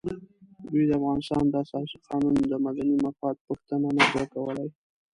دوی د افغانستان د اساسي قانون د مدني مفاد پوښتنه نه شوای کولای.